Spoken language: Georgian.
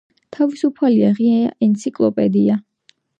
თავისუფალი ღია ენციკლოპედია.